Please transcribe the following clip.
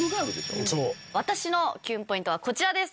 私のキュンポイントはこちらです！